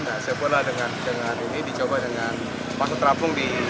nah saya pula dengan ini dicoba dengan pakat terapung di j